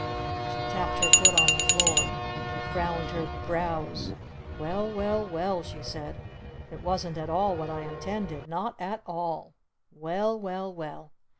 _" She tapped her foot on the floor. She frowned her brows. "Well well well," she said. "It wasn't at all what I intended! Not at all! Well well well!"